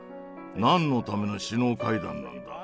「何のための首脳会談なんだ。